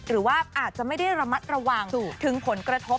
หรือว่าอาจจะไม่ได้ระมัดระวังถึงผลกระทบ